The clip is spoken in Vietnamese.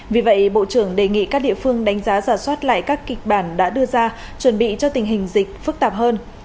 vì vậy bộ trưởng đề nghị các địa phương đánh giá giả soát lại các kịch bản đã đưa ra chuẩn bị cho tình hình dịch phức tạp hơn